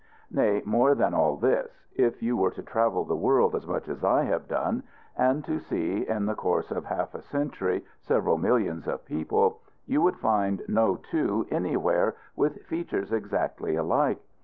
Nay, more than all this. If you were to travel the world as much as I have done, and to see, in the course of half a century, several millions of people, you would find no two, anywhere, with features exactly alike.